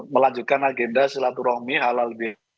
melanjutkan agenda silaturahmi halal biha